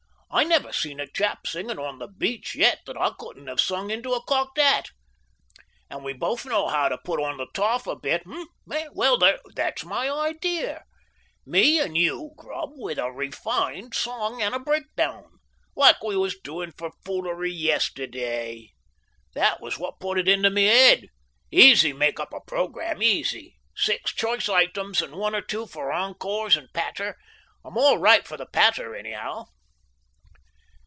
I never see a chap singing on the beach yet that I couldn't 'ave sung into a cocked hat. And we both know how to put on the toff a bit. Eh? Well, that's my ideer. Me and you, Grubb, with a refined song and a breakdown. Like we was doing for foolery yestiday. That was what put it into my 'ead. Easy make up a programme easy. Six choice items, and one or two for encores and patter. I'm all right for the patter anyhow."